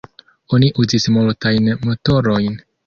Oni uzis multajn motorojn.